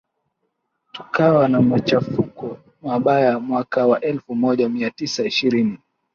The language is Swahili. tukawa na machafuko mabaya mwaka wa elfu moja mia tisa ishirini